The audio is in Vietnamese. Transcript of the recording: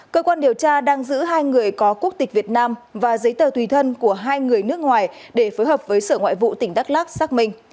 cơ quan điều tra đang giữ hai người có quốc tịch việt nam và giấy tờ tùy thân của hai người nước ngoài để phối hợp với sở ngoại vụ tỉnh đắk lắc xác minh